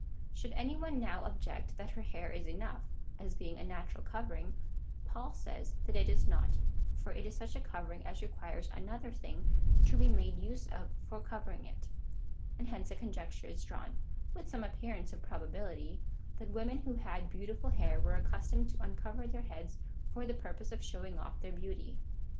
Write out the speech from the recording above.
Should any one now object, that her hair is enough, as being a natural covering, Paul says that it is not, for it is such a covering as requires another thing to be made use of for covering it. And hence a con jecture is drawn, with some appearance of probability — that women who had beautiful hair were accustomed to uncover their heads for the purpose of showing oif their beauty.